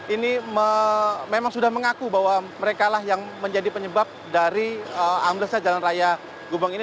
ini memang sudah mengaku bahwa mereka yang menjadi penyebab dari ambil ke jalan raya gubon ini